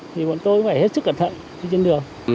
thì bọn tôi cũng phải hết sức cẩn thận khi trên đường